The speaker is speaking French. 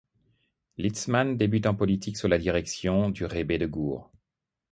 Litzman débute en politique sous la direction du rebbe de Gour.